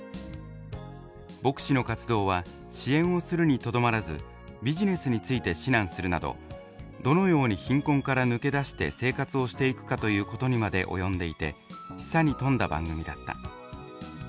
牧師の活動は支援をするにとどまらずビジネスについて指南するなどどのように貧困から抜け出して生活をしていくかということにまで及んでいて示唆に富んだ番組だった」